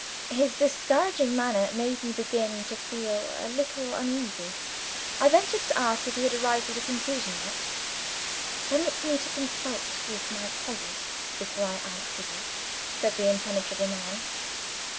His discouraging manner made me begin to feel a little uneasy. I ventured to ask if he had arrived at a conclusion yet. "Permit me to consult with my colleague before I answer you," said the impenetrable man.